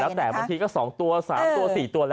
แล้วแต่บางทีก็๒ตัว๓ตัว๔ตัวแล้ว